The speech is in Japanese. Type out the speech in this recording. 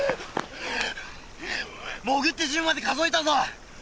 潜って１０まで数えたぞ！